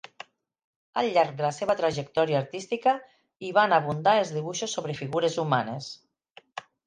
Al llarg de la seva trajectòria artística hi van abundar els dibuixos sobre figures humanes.